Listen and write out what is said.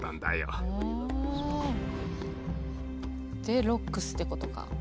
でロックスってことか。